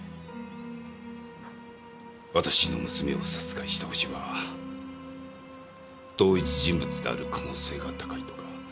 私の娘を殺害したホシは同一人物である可能性が高いとか。